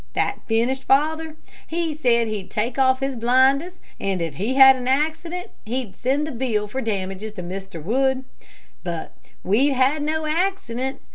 That finished father. He said he'd take off his blinders, and if he had an accident, he'd send the bill for damages to Mr. Wood. But we've had no accident.